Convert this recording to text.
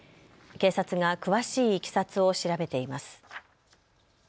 警察が詳しいいきさつを調べています。